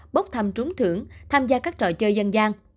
bốc thăm trúng thưởng tham gia các trò chơi dân gian